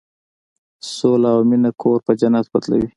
سوله او مینه کور په جنت بدلوي.